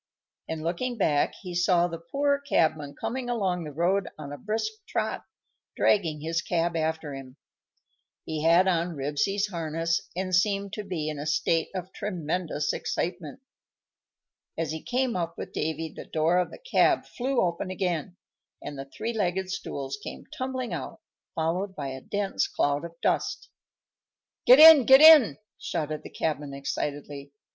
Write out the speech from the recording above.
and, looking back, he saw the poor cabman coming along the road on a brisk trot, dragging his cab after him. He had on Ribsy's harness, and seemed to be in a state of tremendous excitement. As he came up with Davy the door of the cab flew open again, and the three legged stools came tumbling out, followed by a dense cloud of dust. "Get in! Get in!" shouted the cabman, excitedly.